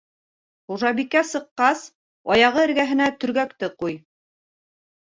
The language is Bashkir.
Хужабикә сыҡҡас, аяғы эргәһенә төргәкте ҡуй.